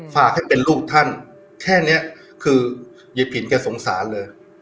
ฝากให้เป็นลูกท่านแค่นี้คือยายผินแกสงสารเลย